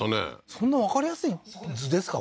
そんなわかりやすい図ですか？